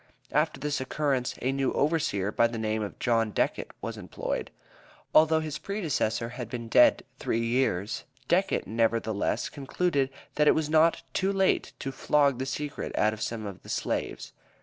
After this occurrence a new overseer, by the name of John Decket, was employed. Although his predecessor had been dead three years, Decket, nevertheless, concluded that it was not 'too late' to flog the secret out of some of the slaves.